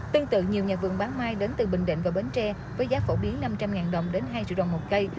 tương tự nhiều nhà vườn bán mai đến từ bình định và bến tre với giá phổ biến năm trăm linh đồng đến hai triệu đồng một cây